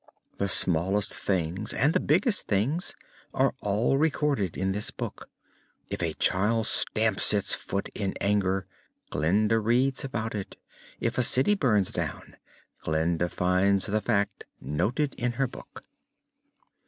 The smallest things and the biggest things are all recorded in this book. If a child stamps its foot in anger, Glinda reads about it; if a city burns down, Glinda finds the fact noted in her book.